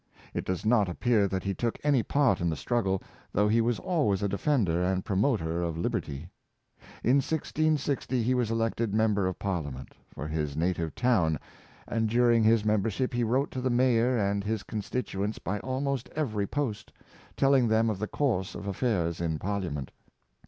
It does not appear that he took any part in the struggle, though he was always a defender and promoter of lib erty. In 1660 he was elected member of Parliament for his native town, and during his membership he wrote to the mayor and his constituents by almost every post, telling them of the course of affairs in Parliament.